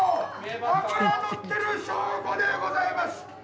脂が乗ってる証拠でございます。